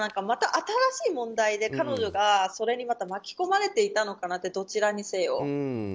また新しい問題で、彼女がそれに巻き込まれていたのかなとどちらにせよ。